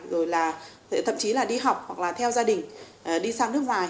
rồi là thậm chí là đi học hoặc là theo gia đình đi sang nước ngoài